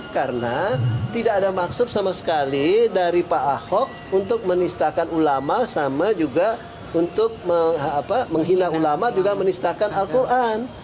karena tidak ada maksud sama sekali dari pak ahok untuk menistakan ulama sama juga untuk menghina ulama juga menistakan al quran